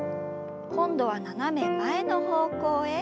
今度は斜め前の方向へ。